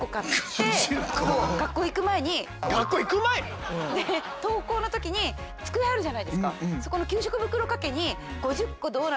あっ私でも登校の時に机あるじゃないですか。